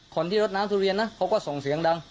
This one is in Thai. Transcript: คนที่รดน้ำทุเรียนนะเขาก็ส่งเสียงดัง